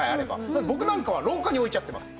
だから僕なんかは廊下に置いちゃってます。